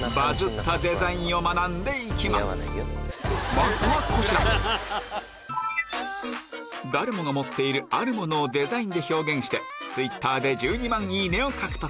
まずはこちら誰もが持っているあるものをデザインで表現してＴｗｉｔｔｅｒで１２万いいねを獲得